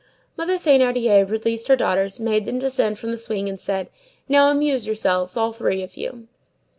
Mother Thénardier released her daughters, made them descend from the swing, and said:— "Now amuse yourselves, all three of you."